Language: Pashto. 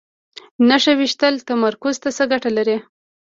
نښه ویشتل تمرکز ته څه ګټه لري؟